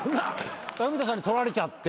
文田さんに取られちゃって。